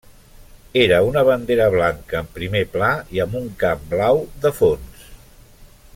Era una bandera blanca en primer pla i amb un camp blau de fons.